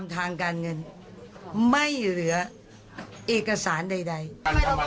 แม่ของแม่ชีอู๋ได้รู้ว่าแม่ของแม่ชีอู๋ได้รู้ว่า